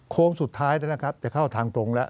โค้งสุดท้ายแล้วนะครับจะเข้าทางตรงแล้ว